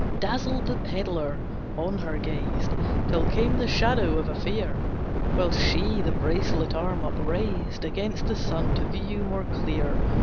Dazzled the pedlar on her gazed Till came the shadow of a fear, While she the bracelet arm upraised Against the sun to view more clear.